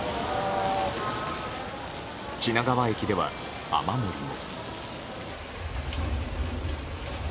品川駅では雨漏りも。